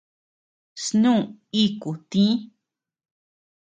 Snú íʼku tï.